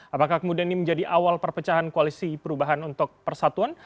apakah kemudian ini menjadi awal perpecahan koalisi perubahan untuk persatuan